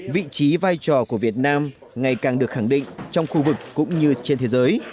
vị trí vai trò của việt nam ngày càng được khẳng định trong khu vực cũng như trên thế giới